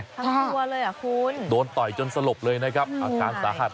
ทั้งตัวเลยอ่ะคุณโดนต่อยจนสลบเลยนะครับอาการสาหัส